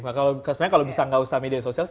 sebenarnya kalau bisa nggak usah media sosial